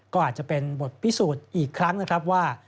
ก็อาจจะเป็นบทพิสูจน์อีกครั้งนะครับว่า